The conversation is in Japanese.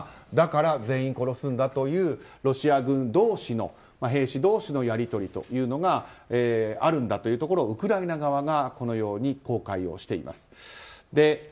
だから、全員殺すんだというロシア軍同士の兵士同士のやり取りというのがあるんだというところをウクライナ側が公開しています。